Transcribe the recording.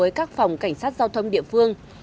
với các phòng cảnh sát giao thông địa phương